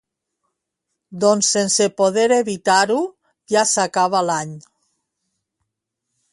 Doncs sense poder evitar-ho, ja s'acaba l'any.